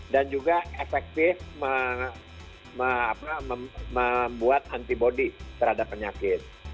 dan juga efektif membuat anti bodi terhadap penyakit